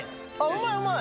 うまいうまい。